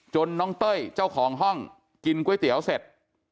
น้องเต้ยเจ้าของห้องกินก๋วยเตี๋ยวเสร็จ